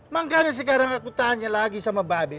makanya sekarang aku tanya lagi sama baabe